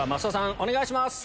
お願いします！